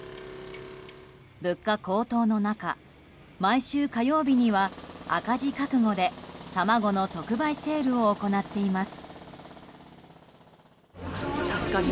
物価高騰の中、毎週火曜日には赤字覚悟で卵の特売セールを行っています。